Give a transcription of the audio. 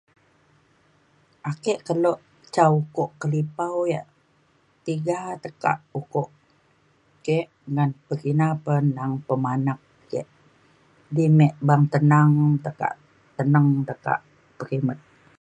Ake kelo ca ukok kelipau yak tiga tekak ukok ke ngan pekina pa neng pemanak ke. Di me beng tenang tekak tenang tekak pekimet.